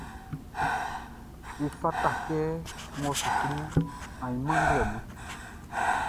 Efata kɛ n wɔ suklu ainman nglɛmun.